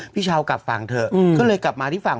พี่เช้ากลับฝั่งเถอะก็เลยกลับมาที่ฝั่ง